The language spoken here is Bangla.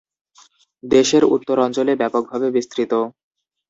দেশের উত্তর অঞ্চলে ব্যাপকভাবে বিস্তৃত।